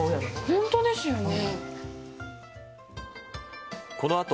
本当ですよね。